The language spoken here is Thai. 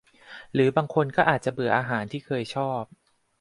หรือบางคนก็อาจจะเบื่ออาหารที่เคยชอบ